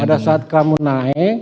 pada saat kamu naik